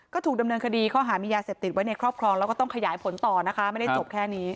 ก็ถูกดำเนินคดีข้อหามียาเสพติดไว้ในครอบครองแล้วก็ต้องขยายผลต่อนะคะไม่ได้จบแค่นี้